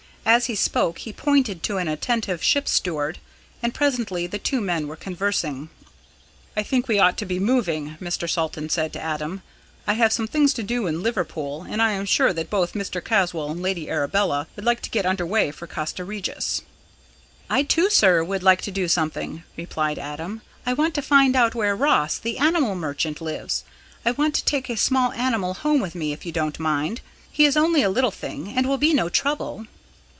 As he spoke, he pointed to an attentive ship's steward, and presently the two men were conversing. "I think we ought to be moving," Mr. Salton said to Adam. "I have some things to do in Liverpool, and I am sure that both Mr. Caswall and Lady Arabella would like to get under weigh for Castra Regis." "I too, sir, would like to do something," replied Adam. "I want to find out where Ross, the animal merchant, lives I want to take a small animal home with me, if you don't mind. He is only a little thing, and will be no trouble."